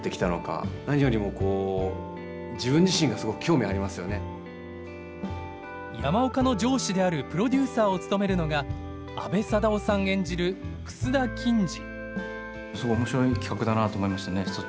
演じるのは山岡の上司であるプロデューサーを務めるのが阿部サダヲさん演じる楠田欽治。